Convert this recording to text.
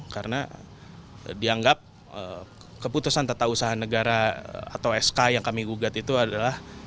karena dianggap keputusan tata usaha negara atau sk yang kami gugat itu adalah